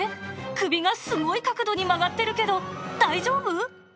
首がすごい角度に曲がっているけど、大丈夫？